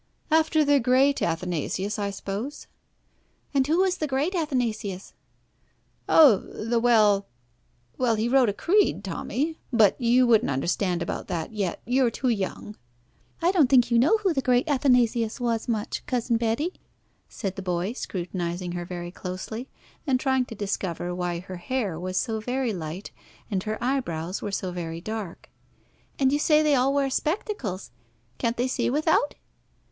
"After the great Athanasius, I suppose." "And who was the great Athanasius?" "Oh the well well, he wrote a creed, Tommy; but you couldn't understand about that yet. You are too young." "I don't think you know who the great Athanasius was much, Cousin Betty," said the boy, scrutinising her very closely, and trying to discover why her hair was so very light and her eyebrows were so very dark. "And you say they all wear spectacles. Can't they see without?"